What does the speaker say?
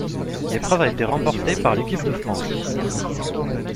L'épreuve a été remportée par l'équipe de France.